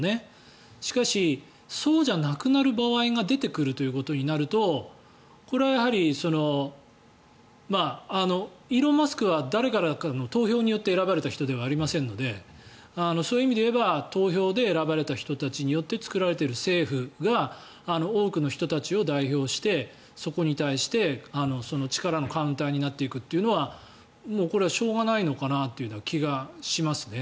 しかし、そうじゃなくなる場合が出てくるということになるとこれはイーロン・マスクは誰かの投票によって選ばれた人ではありませんのでそういう意味で言えば投票で選ばれた人たちによって作られている政府が多くの人たちを代表してそこに対して力のカウンターになっていくというのはこれはしょうがないのかなという気がしますね。